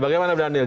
bagaimana pak daniel